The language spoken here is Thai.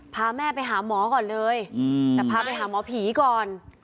พาแม่ไปหาหมอก่อนเลยแต่พาไปหาหมอผีก่อน